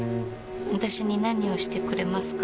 私に何をしてくれますか？